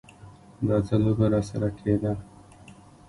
دا څه لوبه راسره کېده.